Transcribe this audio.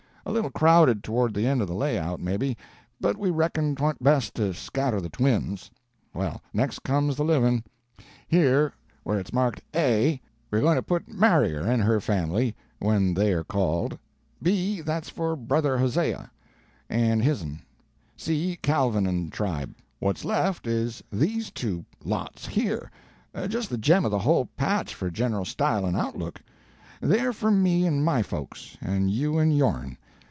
A little crowded towards the end of the lay out, maybe, but we reckoned 'twa'n't best to scatter the twins. Well, next comes the livin'. Here, where it's marked A, we're goin' to put Mariar and her family, when they're called; B, that's for Brother Hosea and hisn; C, Calvin and tribe. What's left is these two lots here just the gem of the whole patch for general style and outlook; they're for me and my folks, and you and yourn.